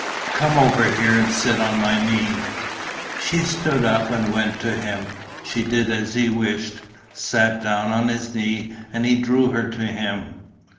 "Come over here and sit on my knee." She stood up and went to him. She did as he wished, sat down on his knee; and he drew her to him.